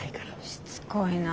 しつこいな。